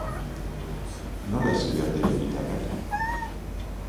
Nola hezi behar dira hiritarrak?